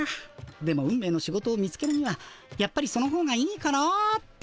でも運命の仕事を見つけるにはやっぱりそのほうがいいかなあって。